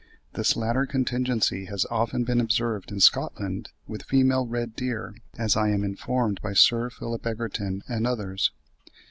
This latter contingency has often been observed in Scotland with female red deer, as I am informed by Sir Philip Egerton and others.